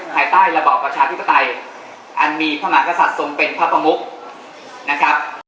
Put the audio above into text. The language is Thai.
ภายใต้ระบอบประชาธิปไตยอันมีพระมหากษัตริย์ทรงเป็นพระประมุกนะครับ